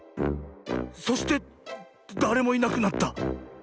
そしてだれもいなくなった。